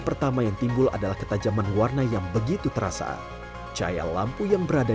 pertama yang timbul adalah ketajaman warna yang begitu terasa cahaya lampu yang berada